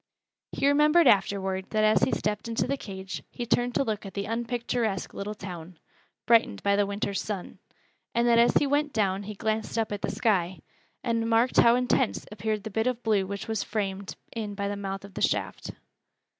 He remembered afterward that as he stepped into the cage he turned to look at the unpicturesque little town, brightened by the winter's sun; and that as he went down he glanced up at the sky, and marked how intense appeared the bit of blue which was framed in by the mouth of the shaft.